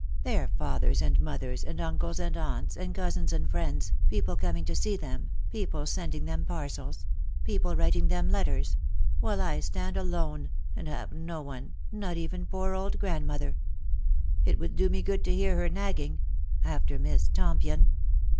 Their fathers and mothers, and uncles and aunts, and cousins and friends — people coming to see them — people sending them Earcels — people writing them letters ; while I stand alone — and ave no one — not even poor old grandmother. It would do me good to hear her nagging — after Miss Tompion."